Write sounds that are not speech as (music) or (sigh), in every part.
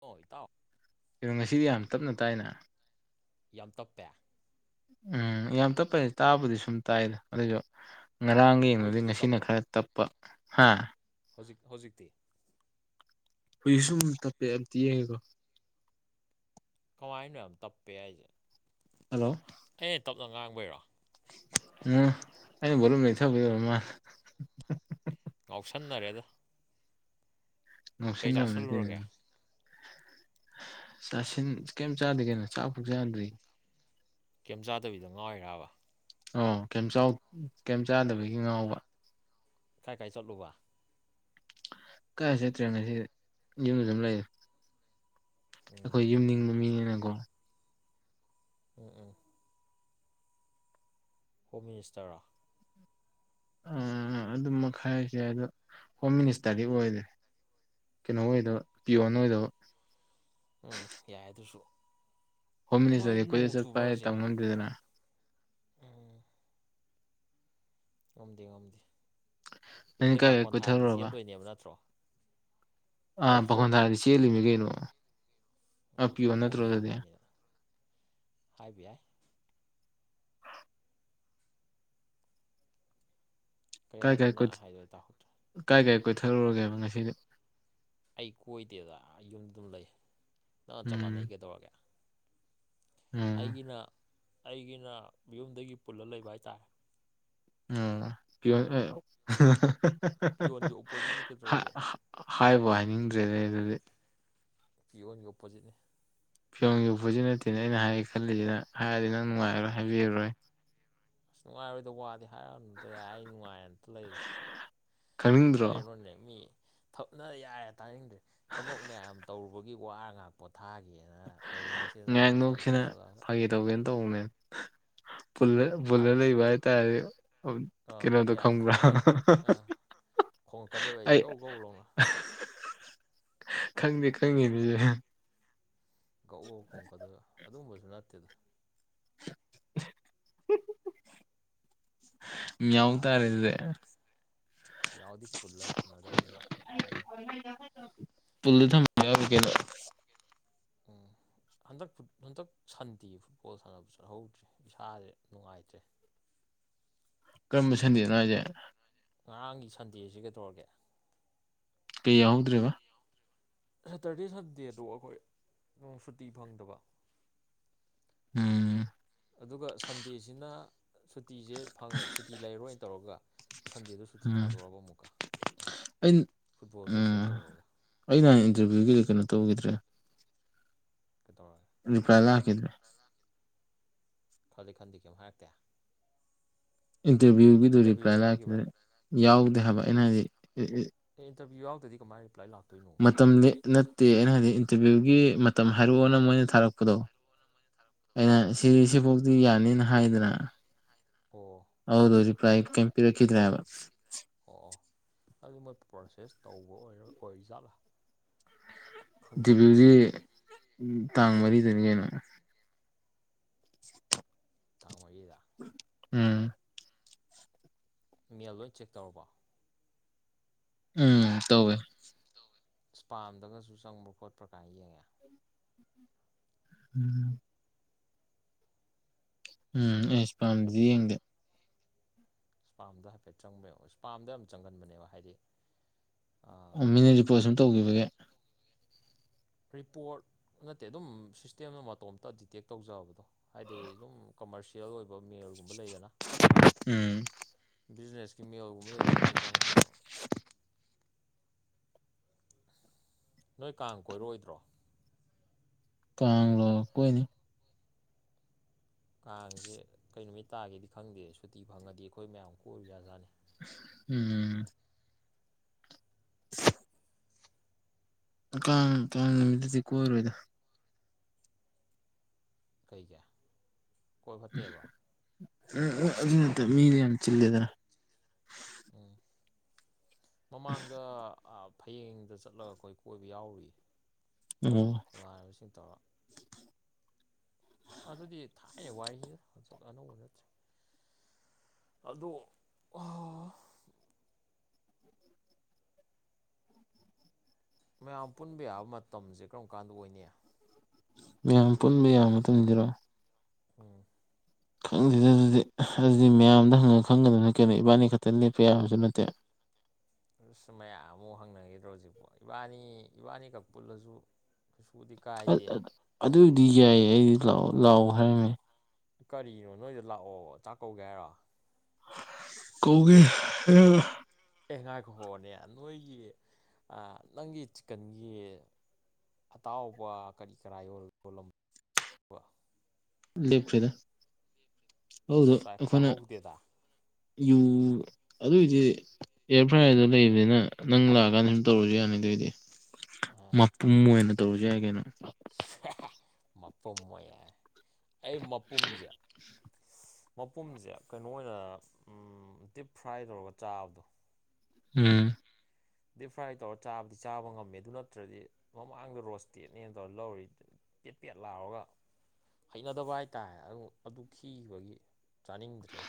ꯍꯣꯏ ꯏꯇꯥꯑꯣ ꯉꯁꯤꯗꯤ ꯌꯥꯝ ꯇꯞꯅ ꯇꯥꯏꯅ ꯌꯥꯝ ꯇꯞꯄꯦ ꯎꯝ ꯌꯥꯝ ꯇꯞꯄꯁ ꯇꯥꯕꯨꯗꯤ ꯁꯨꯝ ꯇꯥꯏꯔ ꯑꯗꯨꯗꯁꯨ ꯉꯔꯥꯡꯒ ꯌꯦꯡꯉꯗꯤ ꯍꯧꯖꯤꯛꯁꯨ ꯉꯁꯤꯅ ꯇꯞꯄ꯭ꯔꯣ ꯈꯔ ꯇꯞꯄ ꯍꯥ ꯍꯧꯖꯤꯛ ꯍꯧꯖꯤꯛꯇꯤ ꯍꯨꯏ ꯁꯨꯝ ꯇꯞꯄꯦ ꯑꯝꯇ ꯌꯦꯡꯉꯦꯀꯣ ꯀꯃꯥꯏꯅꯣ ꯇꯞꯄꯦ ꯍꯥꯏꯁꯦ ꯍꯜꯂꯣ ꯑꯗꯨ ꯉꯥꯡꯕꯩꯔꯣ ꯎꯝ ꯑꯩꯅ ꯕꯣꯂꯣꯝ ꯂꯩꯇꯕꯒꯤ ꯑꯣꯏꯔꯃꯜꯂꯦ ꯉꯥꯎꯁꯟꯅꯔꯦꯗ ꯀꯩ ꯉꯥꯎꯁꯟꯅꯕꯥ ꯅꯠꯇꯦꯗꯥ ꯆꯥꯁꯤꯜꯂꯨꯔꯒꯦ ꯆꯥꯁꯤꯟ ꯀꯩꯝ ꯆꯥꯗꯦ ꯀꯩꯅꯣ ꯆꯥꯛꯐꯛ ꯆꯥꯗ꯭ꯔꯤ ꯀꯦꯝ ꯆꯥꯗꯕꯤꯗ ꯉꯥꯏ ꯑꯣꯏꯔꯕ ꯑꯣ ꯀꯌꯥꯝ ꯆꯥꯎ ꯀꯌꯥꯝ ꯆꯥꯗꯕꯒꯤ ꯉꯥꯎꯕ ꯀꯥꯏ ꯀꯥꯏ ꯆꯠꯂꯨꯕ ꯀꯥꯏꯆꯇꯇꯔ꯭ꯦ ꯇ꯭ꯔꯦꯉꯁꯤ ꯌꯨꯝꯗ ꯌꯨꯝ ꯂꯩꯔꯤ ꯎꯝ ꯑꯩꯈꯣꯏ ꯌꯨꯝꯅꯤꯡꯕ ꯃꯤꯅꯤꯅꯀꯣ ꯎꯝ ꯎꯝ ꯍꯣꯝ ꯃꯤꯅꯤꯁꯇꯔꯣ ꯑꯥ ꯑꯗꯨꯝ ꯃꯈꯔꯁꯦ ꯑꯗꯣ ꯍꯣꯝ ꯃꯤꯅꯤꯁꯇꯔꯗꯤ ꯑꯣꯏꯗꯦ ꯀꯩꯅꯣ ꯑꯣꯏꯗ ꯄꯤꯌꯣꯟ ꯑꯣꯏꯗꯕ ꯎꯝ ꯌꯥꯏ ꯑꯗꯨꯁꯨ ꯍꯣꯝ ꯅꯣꯏ ꯃꯤꯅꯤꯁꯇꯔ ꯅꯣꯡ ꯑꯩꯣꯏꯁ ꯆꯨꯕ꯭ꯔꯥ ꯄꯥꯏ ꯉꯁꯤ ꯇꯪ ꯃꯟꯗꯅ ꯉꯝꯗꯦ ꯉꯝꯗꯦ ꯅꯪ ꯌꯨꯝꯗꯩ ꯀꯥꯏ ꯀꯥꯏ ꯄꯥꯈꯣꯟ ꯊꯥꯔꯤꯗꯤ ꯀꯣꯏꯊꯔꯨꯔꯕ ꯆꯦꯟꯗꯣꯏꯅꯦꯕ ꯅꯠꯇ꯭ꯔꯣ ꯑꯥ ꯅꯠꯇ꯭ꯔꯣ ꯄꯥꯈꯣꯟ ꯊꯥꯔꯗꯤ ꯆꯦꯜꯂꯤꯃꯤ ꯀꯩꯅꯣ ꯑꯞꯄꯤꯌꯣ ꯅꯠꯇ꯭ꯔꯣ ꯑꯗꯨꯗꯤ ꯍ ꯕꯤ ꯑꯥꯏ ꯀꯔꯤ ꯀꯥꯏ ꯍꯥꯏꯅꯣ ꯀꯥꯏ ꯅꯪ ꯍꯥꯏꯗꯣ ꯇꯥꯍꯧꯗ꯭ꯔꯦ ꯀꯥꯏ ꯀꯥꯏ ꯀꯣꯏꯊꯔꯨꯔꯒꯦꯕ ꯉꯁꯤꯗꯤ ꯑꯩ ꯀꯣꯏꯗꯦꯗ ꯌꯨꯝꯗ ꯑꯗꯨꯝ ꯂꯩ ꯅꯪ ꯆꯞ ꯃꯥꯟꯅꯩ ꯎꯝ ꯀꯩꯗꯧꯔꯒꯦ ꯎꯝ ꯑꯩꯒꯤꯅ ꯑꯩꯒꯤꯅ ꯌꯨꯝꯗꯒꯤ ꯄꯨꯜꯂꯒ ꯂꯩꯕ ꯍꯥꯏꯇꯥꯥꯔꯦ ꯑ ꯄꯤꯌꯣꯟꯒꯤ ꯑꯣꯄꯣꯖꯤꯠꯅꯤ ꯀ ꯀꯩꯗꯧꯔꯒꯦ ꯍꯥꯏꯕꯨ ꯍꯥꯏꯅꯤꯡꯖꯔꯤꯦ ꯑꯗꯨꯗꯤ ꯏꯌꯣꯟꯒꯤ ꯑꯣꯄꯣꯖꯤꯠꯅꯤ ꯐꯤꯕꯣ ꯌꯣꯛꯄꯁꯨ ꯅꯠꯇꯦꯅꯦ ꯑꯩꯅ ꯍꯥꯏꯦ ꯈꯜꯂꯤꯁꯤꯅ ꯍꯥꯏꯔꯗꯤ ꯅꯪ ꯅꯨꯡꯉꯥꯏꯔꯔꯣꯏ ꯍꯥꯏꯕꯤꯔꯔꯣꯏ ꯑꯁ ꯅꯨꯡꯉꯥꯏꯔꯣꯏꯗꯣ ꯋꯥꯗꯦ ꯍꯥꯏꯔꯥꯎꯗꯣ ꯌꯥꯏ ꯑꯩ ꯅꯨꯡꯉꯥꯏ ꯑꯝꯇ ꯂꯩ ꯈꯪꯅꯤꯡꯗ꯭ꯔꯣ ꯀꯔꯤꯅꯣꯅꯦꯃꯤ ꯊꯞꯅ ꯌꯥꯔꯦ ꯇꯥꯅꯤꯡꯗ꯭ꯔꯦ ꯊꯕꯛ ꯃꯌꯥꯝ ꯇꯧꯔꯨꯕꯒꯤ ꯋꯥ ꯉꯥꯛꯄꯣ ꯊꯥꯒꯦꯅ ꯂꯩꯔꯤꯉꯩꯁꯤꯗꯅ ꯉꯥꯏꯍꯥꯛ ꯑꯗꯨꯝ ꯐꯣꯟ ꯅꯣꯛꯁꯤꯅ ꯇꯧꯁꯂꯛꯑꯒ ꯐꯥꯒꯤ ꯇꯧꯒꯦꯅ (unintelligible) ꯄꯨꯜꯂ ꯂꯩꯕ ꯍꯥꯏꯇꯥꯔꯗꯤ ꯀꯩꯅꯣꯗꯣ ꯈꯪꯕ꯭ꯔꯥ ꯈꯪꯉꯦ ꯑꯥ ꯈꯣꯡꯉꯛꯀꯗꯣꯏꯕ ꯍꯥꯏꯗꯤ ꯑꯩ ꯀꯧ ꯀꯧ ꯂꯧꯅ ꯈꯪꯗꯦ ꯈꯪꯉꯤꯅꯦ ꯒꯪ ꯒꯧ ꯈꯣꯡꯀꯗꯣꯏꯔꫭ ꯑꯗꯨꯝꯕꯁꯨ ꯅꯠꯇꯦꯗ ꯃꯤꯑꯥꯎ ꯇꯔꯦꯁꯦ ꯑꯗꯨꯗꯤ ꯃꯥꯌꯥꯎꯗꯤ ꯄꯨꯜꯂꯒ ꯊꯝꯅꯗꯕꯅꯤꯍ ꯀꯗꯥꯥꯏꯔꯦ ꯄꯨꯟꯔꯒ ꯌꯝꯊꯕꯥ ꯌꯥꯎꯏꯀꯩꯅꫭ ꯎꯝꯝ ꯍꯟꯗꯛ ꯍꯟꯗꯛ ꯁꯟꯔꯤ ꯐꯨꯠꯕꯣꯜ ꯁꯥꯟꯅꯕ ꯆꯠꯍꯧꯗ꯭ꯔꯦ ꯏꯁꯥꯥꯁꯦ ꯅꯨꯡꯉꯥꯏꯇ꯭ꯔꯦ ꯎꯝ (inaudible) ꯀꯔꯝꯕ ꯁꯟꯗꯅꯣ ꯍꯥꯏꯁꯤ? ꯉꯔꯥꯡꯒꯤ ꯁꯟꯗꯦꯁꯗ ꯀꯩꯗꯧꯔꯒꯦ꯫ ꯀꯩ ꯌꯥꯎꯍꯧꯗ꯭ꯦꯔ°ꯕꯥ ꯁꯦꯇꯔꯗꯦ ꯁꯟꯗꯦꯗ ꯑꯩꯈꯣꯏ ꯅ ꯑꯃꯨꯛ ꯁꯨꯇꯤ ꯐꯪꯗꯕ ꯎꯝꯝ ꯑꯗꯨꯒ ꯁꯟꯗꯦꯁꯤꯅ ꯁꯨꯇꯤꯅ ꯁꯨꯇꯤ ꯐꯪꯒꯕ ꯁꯨꯔꯇꯤ ꯂꯩꯔꯣꯏꯅ ꯇꯧꯔꯒ ꯁꯟꯗꯦꯗꯣ ꯁꯨꯇꯤ ꯊꯥꯗꯣꯔꯛꯔꯕ ꯑꯃꯨꯛꯀꯥ ꯑꯩꯅ ꯑ ꯑꯩꯅ ꯅꯍꯥꯟ ꯏꯟꯇꯔꯚꯤꯌꯨꯒꯤꯗꯤ ꯀꯩꯅꯣ ꯇꯧꯈꯤꯗ꯭ꯔꯦ ꯀꯩꯗꯩꯒꯦ ꯔꯤꯄ꯭ꯂꯥꯏꯂ ꯍꯥꯥꯛꯀꯗ꯭ꯔꯦ (unintelligible) ꯈꯜꯂꯤ ꯈꯟꯗꯦ ꯀꯩꯝꯇꯥ ꯍꯥꯏꯔꯛꯈꯤꯗꯔ° ꯏꯟꯇꯔꯚꯤꯌꯨꯒꯤꯗꯨ ꯔꯤꯄ꯭ꯂꯥꯏ ꯂꯥꯛꯈꯤꯗ ꯌꯥꯎꯗꯦ ꯍꯥꯏꯕ ꯑꯩꯅ ꯍꯥꯏꯗꯤ ꯏꯟꯇꯔꯕꯤꯌ ꯌꯥꯎꯗꯤ ꯀꯃꯥꯏ ꯔꯤꯄꯥꯏ ꯂꯥꯛ ꯃꯇꯝꯗꯤ ꯅꯠꯇꯦ ꯍꯥꯏꯅꯗꯤ ꯏꯟꯇꯤꯚꯤꯌꯨꯒꯤ ꯃꯇꯝ ꯍꯥꯏꯔꯛꯑꯣꯅ ꯃꯣꯏꯅ ꯊꯥꯔꯛꯄꯗꯣ ꯑꯩꯅꯥ ꯑꯥ ꯁꯤꯗꯩ ꯁꯤ ꯐꯥꯎ ꯑꯗꯨ ꯌꯥꯅꯤꯅ ꯍꯥꯏꯗꯅ ꯑꯣ ꯑꯗꯨꯗꯣ ꯔꯤꯄ꯭ꯂꯥꯏ ꯀꯔꯤꯝꯇ ꯄꯤꯔꯛꯈꯤꯗ꯭ꯔꯦ ꯍꯥꯏꯕ꯫ ꯑꯣ ꯑꯣ ꯑꯗꯨ ꯃꫭꯏ ꯄ꯭ꯔꯣꯁꯦꯁ ꯇꯧꯕꯩ ꯑꯣꯏꯔꯤ ꯖꯥꯠꯂꯥ ꯏꯟꯇꯤꯚꯤ ꯇꯥꯡ ꯃꯔꯤꯗꯅꯤ ꯀꯩꯅꯣ ꯇꯥꯡ ꯃꯔꯤꯗꯥ꯫ ꯎꯝ ꯏꯃꯦꯜ ꯂꯣꯏꯅ ꯆꯦꯛ ꯇꯧꯔꯕꫭ ꯎꯝ ꯇꯧꯋꯦ ꯏꯁꯄꯥꯝꯗꯒꯁꯨ ꯆꯪꯕ꯭ꯔ ꯈꯣꯠꯄ꯭ꯔꯥ ꯀꯥꯏꯅꯥ ꯌꯦꯡꯉꯦ ꯎꯝ ꯎꯝ ꯏꯁꯄꯥꯝꯗꯗꯤ ꯌꯦꯡꯗꯦ꯫ ꯏꯁꯄꯥꯝꯗ ꯍꯥꯏꯐꯦꯠ ꯆꯪꯕꯔꯥ ꯌ‌ꯦꯡꯑ‌ꯣ ꯏꯁꯄꯥꯝꯗ ꯌꯥꯝ ꯆꯪꯒꯟꯕꯅꯦꯕ ꯍꯥꯏꯗꯤ ꯑꯣ ꯃꯤꯅ ꯔꯤꯄꯣꯠ ꯁꯨꯝ ꯇꯧꯈꯤꯕꯒꯤ ꯔꯤꯄꯣꯔꯠ ꯅꯠꯇꯦ ꯑꯗꯨꯝ ꯁꯤꯁꯇꯦꯝꯗꫭ ꯃꯇꯣꯝꯇ ꯗꯤꯇꯦꯛ ꯇꯧꯖꯕꯗꯣ ꯍꯥꯏꯗꯤ ꯑꯗꯨꯝ ꯀꯝꯃꯔꯁꯤꯌꯦꯜ ꯑꯣꯏꯕ ꯒꯨꯝ ꯃ‌ꯦꯜꯒꯨꯝꯕ ꯂꯩꯗꯅ ꯎꯝ ꯚꯤꯖꯤꯅ‌ꯦꯁ ꯏꯃꯦꯜꯒꯨꯝꯕꯗ ꯑꯗ ꯍꯦꯛꯇ ꯆꯪꯕꯅꯦꯕꯥ꯫ ꯅꯣꯏ ꯀꯥꯡ ꯀꯣꯏꯔꯛꯑꯣꯏꯗ꯭ꯔꯣ? ꯀꯥꯡ ꯂꯣ ꯀꯣꯏꯅꯤ꯫ ꯀꯥꯡꯁꯦ ꯀꯩ ꯅꯨꯃꯤꯠ ꯇꯥꯒꯦꯗꯤ ꯈꯪꯗꯦ ꯁꯨꯇꯤ ꯐꯪꯉꯗꯤ ꯑꯩꯈꯣꯏ ꯃꯌꯥꯝ ꯀꯣꯏꯔꯨ ꯌꯥꯖꯥꯠꯅꯤ꯫ ꯎꯝ (unintelligible) ꯀꯥꯡ ꯀꯥꯡ ꯅꯨꯃꯤꯠ ꯇꯗꯤ ꯀꯣꯏꯔꯣꯏꯗꯥ ꯀꯩꯒꯤ ꯀꯣꯏ ꯐꯠꯇꯦ ꯍꯩꯕ꯭ꯔꯣ ꯍꯨꯝ ꯍꯨꯝ ꯑꯗꯨꯒꯤ ꯅꯠꯇ‌ꯦ ꯃꯤꯗꫭ ꯌꯥꯝ ꯆꯤꯜꯂꯦꯗꯅ ꯑꫭ ꯃꯃꯥꯡꯗ ꯑꯥ ꯐꯌꯦꯡꯗ ꯆꯠꯂꯒ ꯑꯩꯈꯣꯏ ꯀꯣꯏꯕ ꯌꯥꯎꯔꯨꯏ ꯑꯣ ꯏꯃꯥꯟꯅꯕꯁꯤꯡ ꯇꯧꯔꯥ ꯑꯗꯨꯗꯤ ꯊꯥꯏꯅꯒꯤ ꯋꯥꯔꯤꯅꯤꯗ ꯍꯧꯖꯤꯛ ꯑꯅꯧꯕ ꯅꯠꯇ꯭ꯔ‌ꯦ ꯑꯗꫭ ꯍꯥ ꯃꯌꯥꯝ ꯄꯨꯟꯕ ꯌꯥꯕ ꯃꯇꯝꯁꯦ ꯀꯔꯝ ꯀꯥꯟꯗ ꯑꯣꯏꯅꯤ ꯃꯌꯥꯝ ꯄꯨꯟꯕ ꯌꯥꯕ ꯃꯇꯝꯗꯤꯔꯣ ꯎꯝ ꯈꯪꯗ‌ꯦꯗ ꯑꯗꯨꯗꯤ ꯑꯗꯨꯗꯤ ꯃꯌꯥꯝꯗ ꯍꯪꯉ ꯈꯪꯒꯗꯕꯅ‌ꯦ ꯀꯩꯅꯣ ꯏꯕꯥꯅꯤ ꯈꯛꯇꯪ ꯂꯦꯞꯄ ꯌꯥꯕꯁꯨ ꯅꯠꯇꯦ ꯑꯁ ꯃꯌꯥꯝ ꯑꯃꯨꯛ ꯍꯪꯅꯈꯤꯗ꯭ꯔꯣ ꯍꯧꯖꯤꯛꯄꯨ ꯏꯕꯥꯅꯤ ꯏꯕꯥꯅꯤ ꯈꯛ ꯄꯨꯜꯂꯁꯨ ꯀꯩꯁꯨꯕꯨꯗꯤ ꯑ ꯀꯥꯏꯗꯦ ꯑ ꯑꯗꯨ ꯑꯗꯨꯗꯤ ꯌꯥꯏꯌꯦ ꯑꯩꯗꯤ ꯂꯥꯛꯑꯣ ꯂꯥꯛꯑꯣ ꯍꯥꯏꯔꯝꯃꯤꯅ‌ꯦ ꯀꯔꯤꯅꯣ ꯅꯣꯏꯗ ꯂꯥꯛꯑꯣ ꯆꯥꯛꯀꯧꯒꯦ ꯍꯥꯏꯔꯣ ꯀꯧꯒ‌ꯦ ꯍꯥ ꯑꯦ ꯉꯥꯏꯈꯣ ꯍꯣꯅꯦ ꯅꯣꯏꯒꯤ ꯑꯥ ꯅꯪꯒꯤ ꯆꯤꯛꯀꯟꯒꯤ ꯑꯇꯥꯎꯕ ꯀꯔꯤ ꯀꯔꯥ ꯌꯣꯜ (inaudible) ꯌꯣꯂꯝꯕ ꯂꯦꯈꯔ‌ꯦꯗ ꯑꯁ ꯆꯥꯛ ꯆꯥꯍꯧꯗꯦꯗ ꯌꯨ ꯑꯗꯨꯏꯗꯤ ꯑꯦꯌꯥꯔ ꯐ꯭ꯔꯥꯏꯌꯥꯔꯗꯣ ꯂꯩꯕꯅꯤꯅ ꯅꯪ ꯂꯥꯛꯑꯀꯥꯟꯗ ꯁꯨꯝ ꯇꯧꯔꯁꯨ ꯌꯥꯅꯤꯗ ꯗꯨꯏꯗꯤ ꯃꯄꯨꯝ ꯑꯣꯏꯅ ꯇꯧꯔꯁꯨ ꯌꯥꯏ ꯀꯩꯅꯣ ꯏꯁ ꯍ‌ꯦ ꯍ‌ꯦ ꯃꯥꯄꯨꯝ ꯃꯣꯏꯌꯥ ꯑꯩ ꯃꯄꯨꯝꯁꯦ ꯃꯄꯨꯝꯁꯦ ꯀꯩꯅꯣ ꯑꯣꯏꯅ ꯎꯝ ꯗꯤꯞ ꯐ꯭ꯔꯥꯏ ꯇꯧꯔꯒ ꯆꯥꯕꯗꯣ ꯎꯝ ꯗꯤꯞ ꯐ꯭ꯔꯥꯏ ꯇꯧꯔ ꯆꯥꯕꯗꯤ ꯆꯥꯕ ꯉꯝꯃꯦ ꯑꯗꯨ ꯅꯠꯇ꯭ꯔꯗꯤ ꯃꯃꯥꯡꯗ ꯔꯣꯁꯇꯦꯠꯅꯦꯅ ꯇꯧꯔ ꯂꯧꯔꯤ ꯄꯦꯠ ꯄꯦꯠ ꯂꯥꯎꯔꯒ ꯍꯩꯅꯗꯕ ꯍꯥꯏꯇꯥꯔꯦ ꯑꯗꯨ ꯑꯗꯨ ꯈꯤꯈꯤꯕꯒꯤ ꯆꯥꯅꯤꯡꯗ꯭ꯔꯦ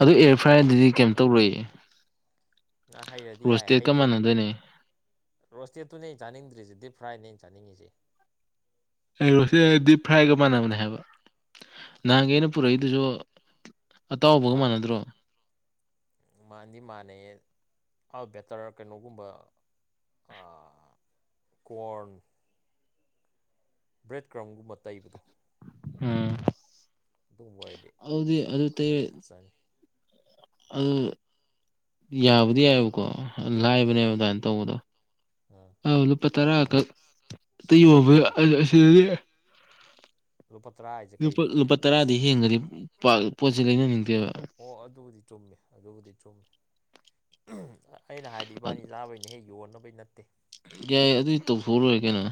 ꯑꯗꯨ ꯑꯦꯔ ꯐ꯭ꯔꯥꯏ ꯔꯣꯁꯇꯦꯠꯀꯨꯝꯕꯗꯣ ꯗꯗꯤ ꯀꯩꯝ ꯇꯧꯔ‌ꯣꯏꯌ‌ꯦ ꯑ ꯍꯩꯔꯗꯤ ꯌꯥꯏꯌ‌ꯦ ꯍꯩꯇ꯭ꯔꯗꯤ (inaudible) ꯔꯣꯁꯇ‌ꯦꯠ ꯇꯨꯅꯦ ꯑꯩꯅ ꯆꯥꯅꯤꯡꯗ꯭ꯔꯤꯁꯦ ꯗꯤꯞ ꯐ꯭ꯔꯥꯏꯅꯦ ꯑꯩꯅ ꯆꯥꯅꯤꯡꯉꯤꯁ‌ꯦ ꯍꯩ ꯔꯣꯁꯇ‌ꯦꯠ ꯗꯤꯞ ꯐ꯭ꯔꯥꯏꯒ ꯃꯥꯟꯅꯕꯅꯦ ꯍꯥꯏꯕ ꯅꯍꯥꯟꯒꯤ ꯑꯩꯅ ꯄꯨꯔꯛꯏꯗꯨꯁꯨ ꯑꯇꯥꯎꯕꯒ ꯑꯥ ꯃꯥꯟꯅꯗ꯭ꯔꯣ ꯃꯥꯟꯗꯤ ꯃꯥꯟꯅꯩꯌꯦ ꯑꯥꯎ ꯕꯦꯇꯔ ꯀꯩꯅꯣꯒꯨꯝꯕ ꯑ ꯀꯣꯔꯟ ꯕ꯭ꯔꯦꯗ ꯀ꯭ꯔꯟꯒꯨꯝꯕ ꯇꯩꯕꯗꯣ ꯎꯝ ꯑꯗꯨꯕ ꯍꯥꯏꯗꯤ ꯑꯗꯨꯗꯤ ꯍꯍꯦꯟꯅ ꯐꯖꯅꯤ ꯑ ꯌꯥꯕꯨꯗꯤ ꯌꯥꯏꯑꯕꯀꯣ ꯑꯗꯨꯃꯥꯏꯅ ꯇꯧꯕꯗꯣ ꯂꯥꯏꯕꯅꯦꯕ ꯑꯗꯨꯃꯥꯏꯅ ꯇꯧꯕꯗꯣ ꯑꯥ ꯑ ꯂꯨꯄꯥ ꯇꯔꯥ ꯈꯛꯇꯩ ꯌꯣꯕ ꯑꯥ ꯑꯁꯤꯗꯗꯤ ꯂꯨꯄꯥ ꯇꯔꯥ ꯍꯥꯏꯁꯦ ꯀꯩꯗꯅꯣ ꯂꯨꯄꯥ ꯇꯔꯥꯗꯤ ꯍꯦꯡꯒꯅꯤ ꯄꯣꯠꯁꯤ ꯂꯩꯅꯅꯤꯡꯗꯦꯕ ꯑꯣ ꯑꯗꯨꯕꯨꯗꯤ ꯆꯨꯝꯃꯤ ꯑꯗꯨꯕꯨꯗꯤ ꯆꯨꯝꯃꯤ ꯑꯩꯅ ꯍꯥꯏꯗꯤ ꯏꯕꯥꯅꯤ ꯆꯥꯕꯅꯤ ꯍꯦꯛ ꯌꯣꯟꯅꯕꯩ ꯅꯠꯇꯦ ꯌꯥꯏ ꯑꯗꯨꯏ ꯇꯧꯊꯣꯛ ꯂꯣꯏꯔꯦ ꯀꯩꯅꯣ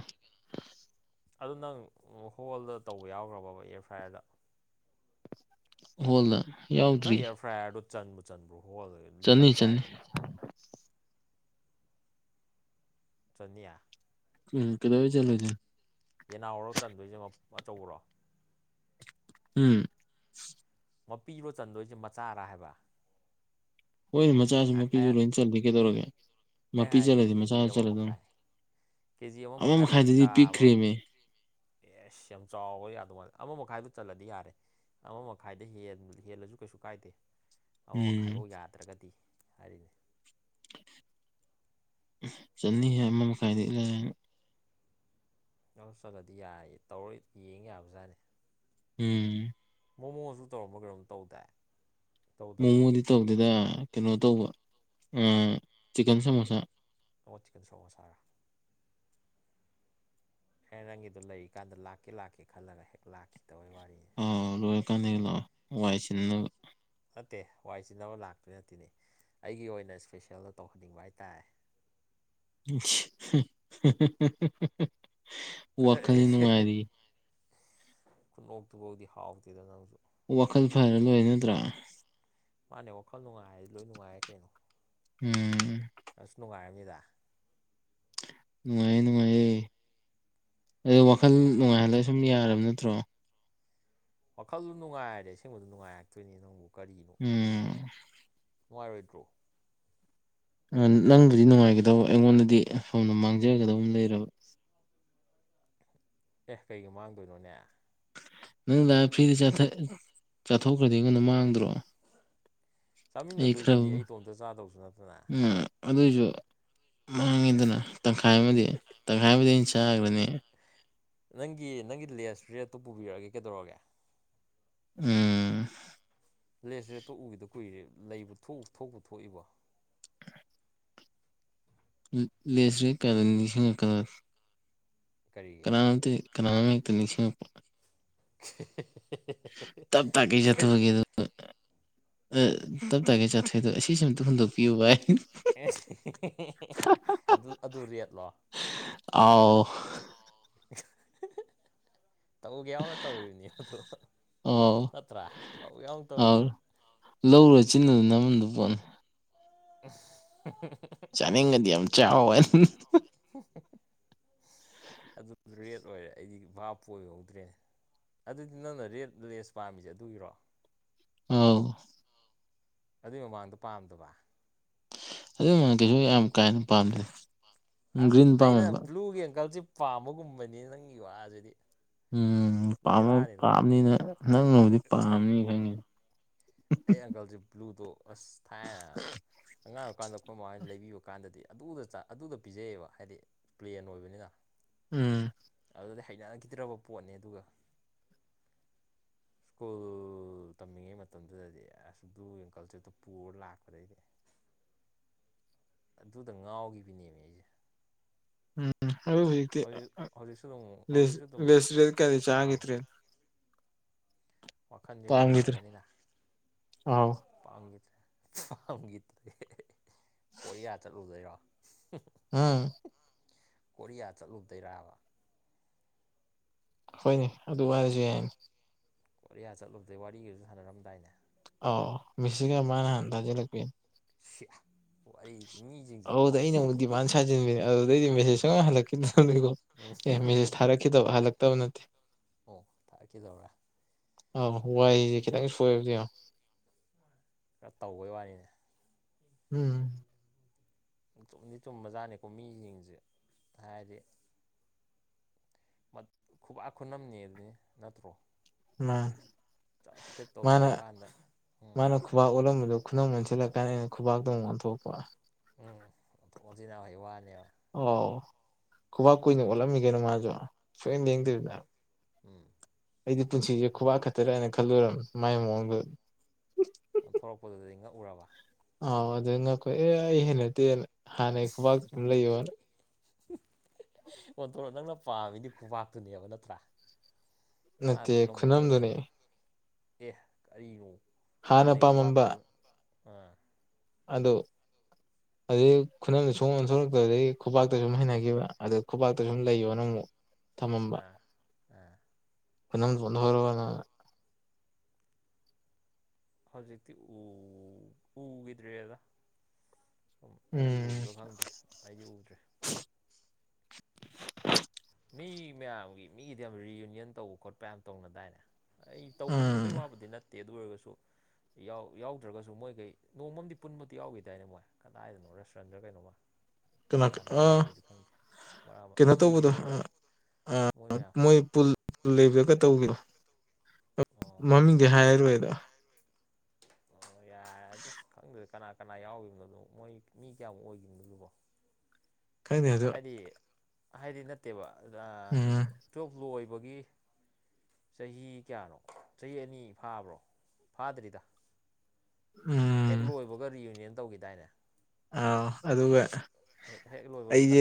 ꯑꯗꯨ ꯅꯪ ꯍꯣꯜꯗ ꯇꯧꯕ ꯌꯥꯎꯈ꯭ꯔꯕꯕ ꯑꯦꯔꯐ꯭ꯔꯥꯏꯌꯔꯗ ꯍꯣꯜꯗ ꯅꯪ ꯌꯥꯎꯗ꯭ꯔꯤ ꯏꯌꯥꯔ ꯐ꯭ꯔꯥꯏꯔꯗꯨ ꯆꯟꯕ꯭ꯔꯨ ꯆꯟꯕ꯭ꯔꯨ ꯍꯣ ꯆꯟꯅꯤ ꯂꯤꯇꯔ ꯆꯟꯅꯤ ꯀꯌꯥꯅꯣ ꯁꯅꯤꯌꯥ ꯎꯝ ꯀꯗꯣ ꯆꯂꯁ ꯌꯦꯅꯥ ꯍꯧꯔꯒ ꯆꯟꯕꯣꯏꯁꯦ ꯑꯆꯧꯕꯔꯣ ꯎꯝ ꯃꯄꯤꯔꯣ ꯆꯟꯗꯣꯏꯁꯦ ꯃꯆꯥꯔꯥ ꯍꯥꯏꯕ ꯍꯣꯏꯅꯦ ꯃꯆꯥꯁꯨ ꯃꯄꯤꯁꯨ ꯂꯣꯏ ꯆꯠꯂ ꯀꯩꯗꯧꯔꯒꯦ ꯑꯩ ꯃꯄꯤ ꯍꯥꯏꯗꯤ ꯆꯠꯂꯗꯤ ꯃꯆꯥꯁꯨ ꯆꯜꯂ ꯑꯗꯨꯝ ꯀꯦꯖꯤ ꯑꯃ ꯃꯈꯥꯏ ꯃꯨꯛꯇꯥ ꯑꯕ ꯑꯦꯁ ꯌꯥꯝ ꯆꯥꯎꯕ ꯌꯥꯗ ꯃꯥꯂ ꯑꯃ ꯃꯈꯥꯏꯗꯣ ꯆꯜꯂꯗꯤ ꯌꯥꯔꯦ ꯑꯃ ꯃꯈꯥꯏꯗ ꯍꯦꯜꯂꯁꯨ ꯀꯩꯁꯨ ꯀꯥꯏꯗꯦ ꯑꯃ ꯎꯝ ꯃꯈꯥꯏꯐꯧ ꯌꯥꯗ꯭ꯔꯒꯗꯤ ꯍꯥꯏꯔꯤꯅꯤ ꯆꯅꯤ ꯍ ꯑꯃꯃꯜ ꯀꯥꯏꯗ ꯂꯩ ꯅꯣ ꯆꯠꯂꯗꯤ ꯌꯥꯔꯌꯦ ꯇꯧꯔ ꯌꯦꯡ ꯌꯥꯕꯖꯥꯠꯅꯤ ꯎꯝ ꯃꯣꯃꯣꯁꯨ ꯇꯧꯔꯝꯕ ꯀꯩꯅꯣꯝ ꯇꯧꯗꯥꯏ ꯇꯧꯗꯕ꯭ꯔꯥ ꯃꯣꯃꯣꯗꯤ ꯇꯧꯗꯦꯗ ꯀꯩꯅꯣ ꯇꯧꯕ ꯆꯤꯛꯀꯟ ꯁꯃꯣꯁꯥ ꯑꯣ ꯆꯤꯀꯗ ꯁꯣꯛꯑꯣ ꯁꯥꯔ ꯑꯦ ꯅꯪꯒꯤꯗꯣ ꯂꯩꯔꯤꯀꯥꯟꯗ ꯂꯥꯛꯀꯦ ꯂꯥꯛꯀꯦ ꯈꯜꯂꯒ ꯍꯦꯛ ꯂꯥꯛꯈꯤꯗꯕꯩ ꯋꯥꯅꯤ ꯑꯥꯎ ꯂꯣꯏꯔ ꯀꯥꯟꯗ ꯂꯥꯛꯑꯣ ꯋꯥꯏ ꯁꯤꯕ ꯅꯠꯇꯦ ꯋꯥꯏ ꯆꯤꯕ ꯂꯥꯛꯇꯣꯏ ꯅꯠꯇꯦꯅꯦ ꯑꯩꯒꯤ ꯑꯣꯏꯅ ꯏꯁꯄꯦꯁꯦꯜꯗ ꯇꯧꯍꯟꯅꯤꯡꯕ ꯍꯥꯏꯇꯥꯔꯦ (unintelligible) ꯋꯥꯈꯗꯤ ꯅꯨꯡꯉꯥꯏꯔꯤ ꯇ ꯍꯗꯤ ꯍꯥꯎꯇꯗ ꯅꯪꯁꯨ ꯋꯥꯈꯜ ꯐꯥꯏꯔꯦꯜ ꯑꯣꯏ ꯅꯠꯇ꯭ꯔꯥ ꯃꯥꯅꯦ ꯋꯥꯈꯜ ꯅꯨꯡꯉꯥꯏꯔꯗꯤ ꯂꯣꯏ ꯅꯨꯡꯉꯥꯏꯔꯦ ꯀꯩꯅꯣ ꯎꯝ ꯅꯨꯗ ꯅꯨꯡꯉꯥꯏꯌꯦ ꯅꯨꯡꯉꯥꯏꯌꯦ ꯑꯣ ꯋꯥꯈꯜ ꯅꯨꯡꯉꯥꯏꯍꯜꯂꯒ ꯋꯥꯈꯜꯁꯦ ꯁꯨꯝ ꯌꯥꯔꯕ ꯅꯠꯇ꯭ꯔꯣ ꯋꯥꯈꯜꯗꯨ ꯅꯨꯡꯉꯥꯏꯔꯦ ꯑꯁꯤꯡꯕꯗꯨ ꯅꯨꯡꯉꯥꯏꯔꯛꯇꯣꯏꯅꯦ ꯅꯪꯕꯨ ꯀꯔꯤꯅꯣ ꯎꯝ ꯅꯨꯡꯉꯥꯏꯔꯣꯏꯗ꯭ꯔꯣ ꯅꯪꯕꯨꯗꯤ ꯅꯨꯡꯉꯥꯏꯒꯗꯧꯕ ꯑꯩꯉꯣꯟꯗꯗꯤ ꯁꯣꯗ ꯃꯥꯡꯖꯒꯗꯕ ꯂꯩꯔꯕ ꯑꯦ ꯀꯩꯒ ꯃꯥꯡꯗꯣꯏꯅꯣꯅꯦ ꯅꯪ ꯂꯥꯏ ꯐ꯭ꯔꯤꯗ ꯆꯥꯊꯣꯛꯈ꯭ꯔꯗꯤ ꯀꯩꯅꯣ ꯃꯥꯡꯗ꯭ꯔꯣ ꯆꯥꯃꯤꯟꯅꯗꯣꯏꯁꯤꯗꯤ ꯑꯩ ꯏꯇꯣꯝꯇ ꯆꯥꯗꯧꯁꯨ ꯅꯠꯇꯅ ꯑꯗꯨꯁꯨ ꯃꯥꯡꯉꯤꯗꯅ ꯇꯪꯈꯥꯏ ꯑꯃꯗꯤ ꯇꯪꯈꯥꯏ ꯑꯃꯗꯤ ꯑꯩꯅ ꯆꯥꯈ꯭ꯔꯅꯤ ꯅꯪꯒꯤ ꯅꯪꯒꯤ ꯂꯦꯁ ꯔꯦꯠꯇꯨ ꯄꯨꯕꯤꯔꯛꯑꯒꯦ ꯀꯩꯗꯧꯔꯒꯦ ꯎꯝ ꯂꯦꯠꯁ ꯔꯦ ꯇꯎꯒꯤꯗ ꯀꯨꯏꯔꯦ ꯊꯣꯛꯄ ꯊꯣꯛꯏꯕ ꯂꯦꯁꯔꯤ ꯀꯅ ꯅꯤꯡꯁꯤꯡꯂꯛꯀꯗ ꯀꯔꯤꯒꯤ ꯀꯥꯡꯗꯤ ꯀꯥꯃꯦ ꯇꯅꯤꯁꯤꯡ (unintelligible) (unintelligible) ꯇꯞ ꯇꯥꯒꯩ ꯆꯥꯊꯣꯏꯗꯣ ꯑꯁꯤꯁ ꯑꯇ ꯍꯨꯟꯗꯣꯛꯄꯤꯌꯨ ꯑꯗꯨ ꯑꯗꯨ ꯔꯦꯠꯂꯣ ꯑꯥꯎ ꯑꯥ (unintelligible) ꯇꯧꯒꯦ ꯌꯥꯎꯅ ꯇꯧꯔꯤꯕꯅꯤ ꯑ ꯑꯥꯎ ꯅꯠꯇ꯭ꯔꯥ ꯇꯧꯒ ꯌꯥꯎꯅ ꯑꯥꯎ ꯇꯧꯔꯤꯕꯅꯤ ꯂꯧꯔ ꯆꯤꯟꯅꯗꯨ ꯅꯃꯟꯗꯨ ꯄꯣꯟꯅꯤ (unintelligible) ꯆꯅꯤ ꯉꯗꯤ ꯑ ꯆ ꯑꯗꯨ ꯔꯦꯠ ꯑꯣꯏꯔꯦ ꯑꯩꯗꯤ ꯚꯥꯞꯄ ꯑꯣꯏꯍꯧꯗ꯭ꯔꯦ ꯑꯗꯨꯗꯤ ꯅꯪꯅ ꯔꯦꯠ ꯂꯦꯁ ꯄꯥꯝꯃꯤꯁꯦ ꯑꯗꯨꯒꯤꯔꯣ ꯑꯥꯎ ꯑꯗꯨꯏ ꯃꯃꯥꯡꯗꯣ ꯄꯥꯝꯗꯕ ꯑꯗꯨ ꯃꯔꯛꯇꯁꯨ ꯌꯥꯝ ꯀꯥ ꯍꯦꯟꯅ ꯄꯥꯝꯖꯩ ꯑꯁ ꯑꯩꯅ ꯕ꯭ꯂꯨꯒꯤ ꯑꯪꯀꯜꯁꯤꯦ ꯄꯥꯝꯕꯒꯨꯝꯕꯅꯤ ꯅꯪꯒꯤ ꯋꯥꯁꯤꯗꯤ ꯎꯝ ꯄꯥꯝꯃ ꯕꯦꯔꯥꯅꯤꯗ ꯄꯥꯝꯅꯤꯅ ꯅꯪ ꯅꯣꯡꯕꯨꯗꯤ ꯄꯥꯝꯅꯤ ꯈꯪꯉꯦ ꯑꯩ ꯑꯪꯀꯜꯁꯦ ꯕ꯭ꯂꯨꯗꯣ ꯑꯁ ꯊꯥꯏ ꯑꯉꯥꯡ ꯀꯥꯟꯗ ꯑꯩꯈꯣꯏ ꯃꯃꯥꯏꯅ ꯂꯩꯕꯤꯕ ꯀꯥꯟꯗꯗꯤ ꯑꯗꯨꯗ ꯑꯗꯨꯗ ꯄꯤꯖꯩꯑꯕ ꯍꯥꯏꯗꯤ ꯄ꯭ꯂꯦꯟ ꯑꯣꯏꯕꯅꯤꯅ ꯎꯝ ꯑꯗꯨꯗꯤ ꯍꯩꯅꯈꯤꯗ꯭ꯔꯕ ꯄꯣꯠꯅꯦ ꯑꯗꯨꯒ ꯁ꯭ꯀꯨꯜ ꯇꯝꯝꯕ ꯑꯩ ꯃꯇꯝꯗꯨꯗꯗꯤ ꯑꯁ ꯑꯗꯨ ꯀꯜꯆꯔꯗꯨꯣ ꯄꯨꯔ ꯂꯥꯛꯄꯗꯩꯗꯤ ꯑꯗꯨꯗ ꯉꯥꯎꯈꯤꯕꯅꯦꯦꯝꯃꯦ ꯑꯩꯁꯦ ꯎꯝ ꯑꯗꯨ ꯍꯧꯖꯤꯛꯇꯤ ꯍꯧꯖꯤꯛ ꯍꯧꯖꯤꯛꯁꯨ ꯑꯗꯨꯝ ꯍꯧꯖꯤꯛꯁꯨ ꯑꯗꯨꯝ ꯦꯁ ꯔꯦꯜ ꯀꯌꯥꯗ ꯄꯥꯝꯃꯤ ꯆꯥꯈꯤꯦꯗ꯭ꯔꯦꯅ ꯋꯥꯈꯟꯗꯤ ꯄꯥꯝꯈꯤꯗ꯭ꯔꯦ ꯍꯣꯡꯗ꯭ꯔꯕꯅꯤꯅ ꯑꯥꯎ ꯀꯣꯔꯤꯌꯥ ꯆꯠꯂꯨꯗꯣꯏꯔꯣ ꯎꯝ ꯀꯣꯔꯤꯌꯥ ꯆꯠꯂꯨꯗꯣꯏꯔꯕ ꯍꯣꯏꯅꯦ ꯑꯗꯨ ꯋꯥꯔꯁꯨ ꯌꯥꯏꯅꯤ ꯀꯔꯤꯌꯥ ꯆꯠꯂꯨꯕꯗꯩ ꯋꯥꯔꯤꯒꯁꯨ ꯁꯥꯟꯅꯔꯝꯗꯥꯏꯅꯦ ꯑꯣ ꯃꯤꯁꯤꯒꯦ ꯃꯅꯍꯥꯟꯗꯖꯤ ꯂꯄꯤ ꯋꯥꯔꯤ ꯃꯤ ꯑꯗ ꯑꯩꯅ ꯑꯃꯨꯛ ꯗꯤꯃꯥꯟ ꯁꯥꯖꯤꯟꯕꯅꯦ ꯑꯗꯨꯗꯩꯗꯤ ꯃꯦꯁꯦꯖ ꯎꯝ ꯆꯪꯉ ꯍꯜꯂꯛꯀꯗ꯭ꯔꯅꯤꯀꯣ ꯎꯝ ꯑꯦ ꯃꯦꯁꯦꯖ ꯊꯥꯔꯛ ꯇꯕ ꯍꯜꯂꯛꯇꯕ ꯅꯠꯇꯦ ꯑꯣ ꯊ ꯑ ꯋꯥꯏꯁꯦ ꯈꯤꯇꯪ ꯁꯣꯏꯦꯕꯗꯤ ꯈꯔ ꯇꯧꯕꯩ ꯋꯥꯅꯤꯅꯦ ꯎꯝ ꯇꯨꯝꯗꯤ ꯇꯨꯝꯕꯖꯥꯠꯅꯤꯀꯣ ꯃꯤꯁꯤꯡꯁꯦ ꯍꯥꯏꯔꯗꯤ ꯈꯨꯕ ꯈꯨꯅꯝꯅꯦ ꯑꯗꯨꯅꯦ ꯅꯠꯇ꯭ꯔꯣ ꯎꯝ ꯐ꯭ꯂꯤꯞ ꯃꯥꯅ ꯇꯧꯊꯣꯛꯑꯀꯥꯟꯗ ꯎꯝ ꯃꯥꯅ ꯈ ꯑꯣꯂ ꯈꯅ ꯃꯁꯤ ꯀ ꯈꯨꯕꯥꯛꯇꯣꯡ ꯑꯣꯟꯊꯣꯛꯄ ꯎꯝ ꯃꯤꯟꯅꯥ ꯍꯧꯩ ꯋꯥꯅꯦꯕ ꯑꯣ ꯈꯨꯕꯥꯛ ꯀꯨꯏꯅ ꯑꯗꯨ ꯑꯣꯠꯂꯝꯃꯤꯒꯦꯅ ꯃꯥꯁꯨ ꯁꯣꯏ ꯎꯝ ꯌꯦꯦꯡꯗꯦꯔꯤꯗ ꯎꯝ ꯑꯩꯗꯤ ꯄꯨꯟꯁꯤꯁꯦ ꯈꯨꯕꯥꯛ ꯈꯛꯇꯔꯅ ꯈꯜꯂꯨꯔꯅꯤ ꯃꯥꯏ ꯃꯑꯣꯡꯗꯨ ꯎꯔꯔꯕ ꯑꯥꯎ ꯑꯗꯨ ꯉꯛꯈꯣꯏ ꯑꯦ ꯑꯩ ꯍꯦꯟꯅꯠꯇꯦꯅ ꯍꯅꯦ ꯈꯨꯨꯕꯥ ꯊ ꯂꯩ ꯌꯣ ꯄꯥꯝꯃꯤꯅꯤ ꯈꯨꯄꯥꯛꯥꯛꯇꯨꯅꯦꯕ ꯅꯠꯇ꯭ꯔꯥ ꯃꯥꯅ ꯅꯠꯇꯦ ꯈꯨꯅꯝ ꯈꯨꯅꯝꯗꯨꯅꯤ ꯑꯣꯟꯊꯣꯔꯛꯄꯁꯤꯗ ꯑꯦ ꯀꯔꯤꯅꯣ ꯍꯥꯟꯅ ꯍꯥꯟꯅꯩ ꯈꯨꯄꯥꯛꯥꯛꯇꯨ ꯑꯥ ꯑꯗꯨ ꯑꯗꯨꯩ ꯈꯨꯅꯗ ꯁꯣꯛ ꯑꯣꯟꯊꯣꯔꯛꯇꯗꯒꯤ ꯈꯨꯄꯥꯛꯥꯛꯇ ꯁꯨꯝ ꯍꯩꯅꯈꯤꯕ ꯑꯗꯨꯗ ꯈꯨꯄꯥꯛꯥꯛꯇ ꯁꯨꯝ ꯎꯝ ꯂꯩꯌꯣ ꯅꯪ ꯑꯃꯨꯛ ꯊꯝꯃꯝꯕ ꯑꯥ ꯑꯥ ꯄ ꯍꯔꯅ ꯍꯧꯖꯤꯛꯇꯤ ꯎ ꯎꯈꯤꯗ꯭ꯔꯦꯗ ꯅꯪꯗꯤ ꯎꯝ ꯎꯔꯤꯕ ꯈꯪꯗꯦ ꯑꯩꯗꯤ ꯎꯗ꯭ꯔꯦ ꯃꯤ ꯃꯌꯥꯝꯒꯤ ꯃꯤꯒꯤꯗꯤ ꯌꯥꯝ ꯔꯤꯌꯨꯅꯤꯌꯟ ꯇꯧꯕ ꯈꯣꯠꯄ ꯌꯥꯝ ꯇꯧꯅꯗꯥꯏꯅꯦ ꯑꯩ ꯎꯝ ꯇꯧꯕꯅꯤꯡꯕꯩ ꯋꯥꯕꯗꯤ ꯅꯠꯇꯦ ꯑꯗꯨ ꯑꯣꯏꯔꯒꯁꯨ ꯌꯥꯎꯗ꯭ꯔꯒꯁꯨ ꯃꯣꯏꯈꯩ ꯅꯣꯡꯃꯝꯗꯤ ꯄ ꯄꯨꯟꯃꯗꯤꯤ ꯌꯥꯎꯈꯤꯗꯥꯏꯅꯦ ꯃꯣꯏ ꯀꯗꯥꯏꯗꯅꯣ ꯔꯦꯁꯇꯨꯔꯦꯟꯗ ꯀꯩꯅꯣꯃꯣꯏ ꯀꯅꯥ ꯀꯅꯥ ꯌꯥꯒꯦ ꯀꯣꯏꯗꯔꯤꯉꯗ ꯑ ꯃꯣꯏ ꯎꯝ ꯂꯩꯕꯒ ꯇꯧꯒꯦ ꯑꯣ ꯃꯃꯤꯡꯗꯤ ꯍꯥꯏꯔꯣꯏꯗ ꯑꯣ ꯌꯥꯔꯦ ꯑꯗ ꯈꯪꯗ꯭ꯔꯦ ꯀꯅꯥ ꯀꯅꯥ ꯌꯥꯎꯔꯤꯕꯅꯅꯣ ꯃꯣꯏ ꯃꯤ ꯀꯌꯥꯃꯨꯛ ꯑꯣꯏꯈꯤꯕꯅꯣꯗꯨꯕꯣ ꯀꯥꯏꯅꯦ ꯑꯗꯨ ꯍꯥꯏꯗꯤ ꯅꯠꯇꯦꯕ ꯆꯣ ꯂꯣꯏꯕꯒꯤ ꯆꯍꯤ ꯀꯌꯥꯅꯣ ꯆꯍꯤ ꯑꯅꯤ ꯐꯥꯕ꯭ꯔꯣ ꯐꯥꯗ꯭ꯔꯤꯗ ꯍꯦꯛ ꯎꯝ ꯂꯣꯏꯕꯒ ꯔꯤꯌꯨꯅꯤꯌꯟ ꯇꯧꯈꯤꯗꯥꯏꯅꯦ ꯑ ꯑꯗ ꯍ ꯍ ꯑꯩꯁꯦ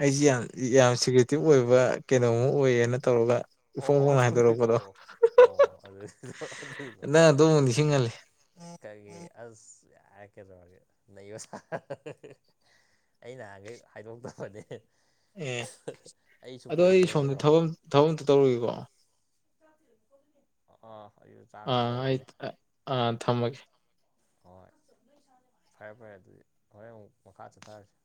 ꯑꯩꯁꯦ ꯌꯥꯝ ꯌꯥꯝ ꯁꯦꯀ꯭ꯔꯤꯇꯤꯞ ꯑꯣꯏꯕ ꯀꯩꯅꯣꯝꯃ ꯑꯣꯏꯌꯦꯅ ꯇꯧꯔꯒ ꯏꯐꯣꯡ ꯑꯣ ꯑ ꯐꯣꯡꯅ ꯍꯥꯏꯗꯣꯔꯛꯄꯗꯣ ꯑꯣ ꯑꯣ ꯅꯪ ꯑꯗꯨꯃꯨꯛ ꯑ ꯅꯤꯡꯁꯤꯡꯍꯜꯂꯦ ꯀꯒꯤꯦ ꯑꯁ ꯍꯥꯏꯔꯛꯀꯦꯗꯧꯔꯒꯦ ꯅ ꯑꯣꯁꯥ ꯑꯩ ꯅꯍꯥꯟꯈꯩ ꯍꯥꯏꯗꯣꯛꯇꯕꯅꯦ ꯑꯦ ꯑꯗꯣ ꯁꯨꯄꯔ ꯑꯩ ꯍꯤꯔꯣꯅꯦ ꯁꯣꯝꯗ ꯊꯕꯛꯇ ꯇꯧꯔꯨꯒꯦꯀꯣ ꯑ ꯑꯥ ꯑ ꯑ ꯊꯃꯒꯦ ꯍ ꯐꯔꯦ ꯐꯔꯦ ꯑꯗꯨꯗꯤ ꯍꯣꯔꯦꯟ ꯑꯃꯨꯛ ꯃꯈꯥ ꯆꯠꯊꯔꯁꯤ